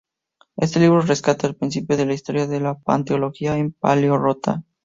Este libro rescata el principio de la historia de la paleontología en Paleorrota.